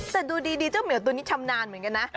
แต่ดูดีเจ้าเหมียวตัวนี้ชำนาญเหมือนกันนะ